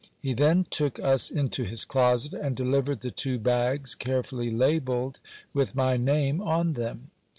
He then took us into his closet, and delivered the two bags, carefully labelled with my name on them.